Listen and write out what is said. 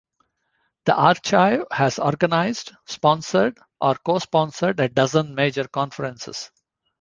The Archive has organized, sponsored, or co-sponsored a dozen major conferences.